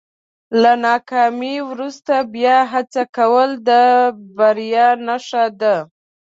له ناکامۍ وروسته بیا هڅه کول د بریا نښه ده.